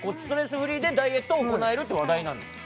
フリーでダイエットを行えると話題なんです